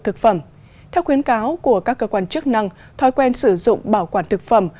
thực phẩm theo khuyến cáo của các cơ quan chức năng thói quen sử dụng bảo quản thực phẩm